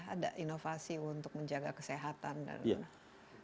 ada inovasi untuk menjaga kesehatan dan lain lain